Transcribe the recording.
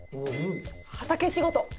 畑仕事。